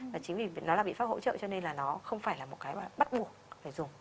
và chính vì nó là biện pháp hỗ trợ cho nên là nó không phải là một cái mà bắt buộc phải dùng